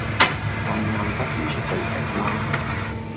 咁晏不如出去食啦